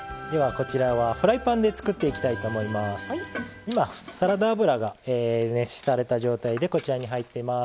今サラダ油が熱された状態でこちらに入っています。